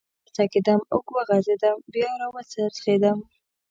و څکېدم، اوږد وغځېدم، بیا را و څرخېدم.